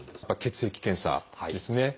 血液検査ですね。